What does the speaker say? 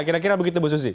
kira kira begitu bu susi